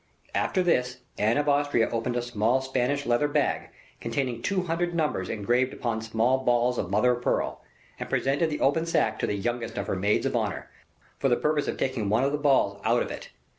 After this, Anne of Austria opened a small Spanish leather bag, containing two hundred numbers engraved upon small balls of mother of pearl, and presented the open sack to the youngest of her maids of honor, for the purpose of taking one of the balls out of it.